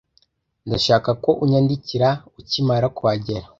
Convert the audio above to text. Ndashaka ko unyandikira ukimara kuhagera.